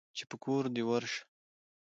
چې په کور دى ورشه.